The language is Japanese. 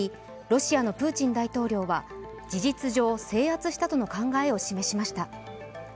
ロシアのプーチン大統領は事実上制圧したとの考えを示しました。